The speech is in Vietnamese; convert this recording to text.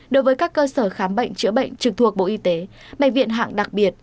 đối với các cơ sở khám bệnh chữa bệnh trực thuộc bộ y tế bệnh viện hạng đặc biệt